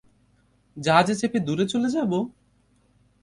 জাহাজে চেপে দূরে চলে যাবো?